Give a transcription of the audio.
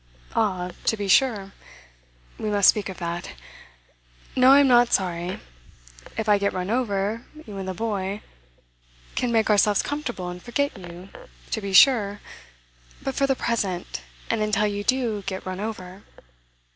'Ah to be sure. We must speak of that. No, I'm not sorry. If I get run over, you and the boy ' 'Can make ourselves comfortable, and forget you; to be sure. But for the present, and until you do get run over?